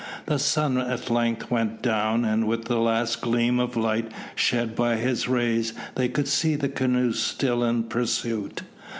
The sun at length went down, and with the last gleam of light shed by his rays they could see the canoes still in pursuit.